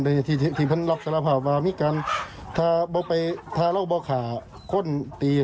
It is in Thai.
เป็นที่ที่ที่เพิ่มรับสารภาพว่ามีการถ้าบอกไปถ้าเราบอกขาคนตี